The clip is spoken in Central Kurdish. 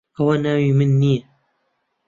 ئەوە ناوی من نییە.